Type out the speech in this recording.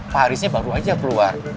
pak harisnya baru aja keluar